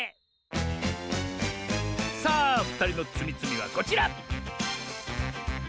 さあふたりのつみつみはこちら！